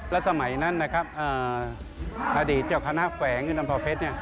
และสมัยนั้นอดีตเจ้าคณะแผงอยู่ตำประเภท